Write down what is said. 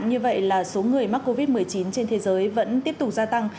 như vậy là số người mắc covid một mươi chín trên thế giới vẫn tiếp tục gia tăng